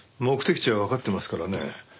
目的地はわかってますからね。